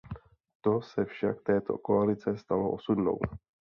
To se však této koalici stalo osudnou.